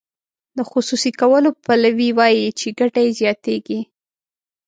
د خصوصي کولو پلوي وایي چې ګټه یې زیاتیږي.